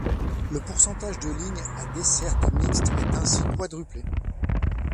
Le pourcentage de lignes à desserte mixte est ainsi quadruplé.